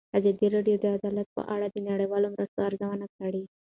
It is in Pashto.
ازادي راډیو د عدالت په اړه د نړیوالو مرستو ارزونه کړې.